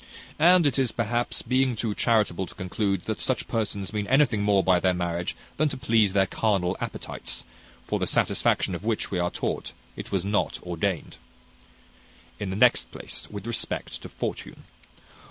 And it is, perhaps, being too charitable to conclude that such persons mean anything more by their marriage than to please their carnal appetites; for the satisfaction of which, we are taught, it was not ordained. "In the next place, with respect to fortune.